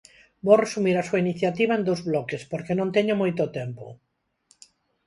Vou resumir a súa iniciativa en dous bloques porque non teño moito tempo.